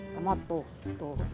lama tuh tuh